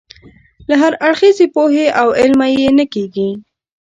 له هراړخیزې پوهې او علمه یې نه کېږي.